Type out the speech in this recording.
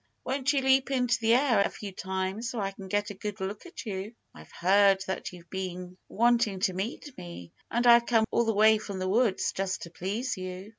"Won't you leap into the air a few times, so I can get a good look at you? I've heard that you've been wanting to meet me. And I've come all the way from the woods just to please you."